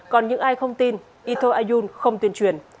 còn những ai không tin etho ayun không tuyên truyền